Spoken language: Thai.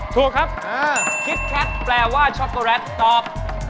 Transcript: ถูกครับคิดแคทแปลว่าช็อกโกแลตตอบ